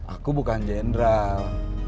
aku bukan general